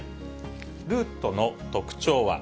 ルートの特徴は？